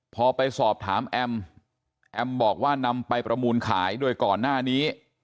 พอไปสอบถามแอมแอมบอกว่านำไปประมูลขายโดยก่อนหน้านี้